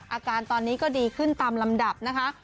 อาการตอนนี้ก็ดีขึ้นตามลำดับนะคะ